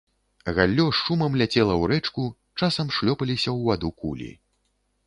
Галлё з шумам ляцела ў рэчку, часам шлёпаліся ў ваду кулі.